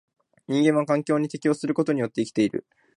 人間は環境に適応することによって生きている。